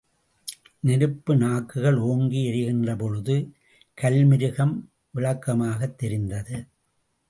நெருப்பு நாக்குகள் ஓங்கி எரிகின்றபொழுது, கல்மிருகம் விளக்கமாகத் தெரிந்தது.